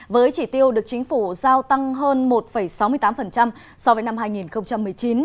với chỉ tiêu được chính phủ giao tăng hơn một sáu mươi tám so với năm hai nghìn một mươi chín